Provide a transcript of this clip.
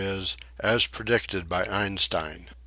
02 As predicted by Einstein